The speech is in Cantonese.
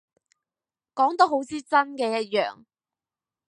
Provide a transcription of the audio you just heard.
講到好似真嘅一樣